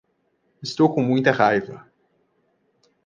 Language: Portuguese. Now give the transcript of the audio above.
Estou com muita raiva